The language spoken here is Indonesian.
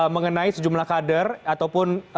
mengenai sejumlah kader ataupun